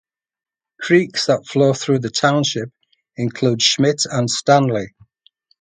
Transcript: Creeks that flow through the township include Schmidt and Stanley.